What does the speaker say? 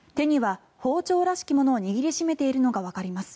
手には包丁らしきものを握り締めているのがわかります。